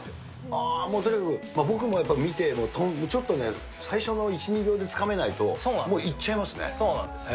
あー、もうとにかく僕もやっぱり見てもちょっとね、最初の１、２秒でつかめないと、そうなんですよ。